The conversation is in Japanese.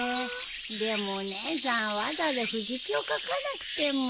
でもお姉さんわざわざ藤木を描かなくても。